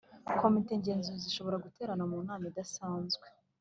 Komite Ngenzuzi ishobora guterana mu nama idasanzwe